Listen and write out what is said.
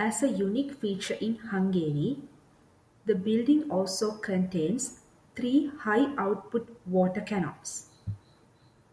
As a unique feature in Hungary, the building also contains three high-output water cannons.